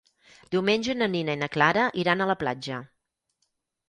Diumenge na Nina i na Clara iran a la platja.